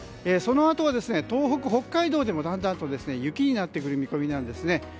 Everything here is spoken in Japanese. そのあとは東北、北海道でもだんだん雪になってくる見込みなんです。